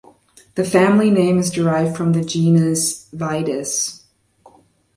The family name is derived from the genus "Vitis".